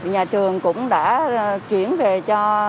nhà trường cũng đã chuyển về cho